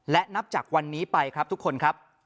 และนับจากวันนี้ไปครับทุกคนครับ